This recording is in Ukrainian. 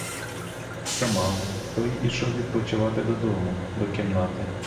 Хто мав, той ішов відпочивати додому, до кімнати.